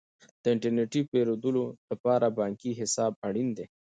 د انټرنیټي پیرودلو لپاره بانکي حساب اړین دی.